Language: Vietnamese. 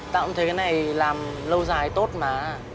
tao cũng thấy cái này làm lâu dài tốt mà